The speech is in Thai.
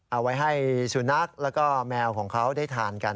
เอาไว้ให้สุนัขแล้วก็แมวของเขาได้ทานกัน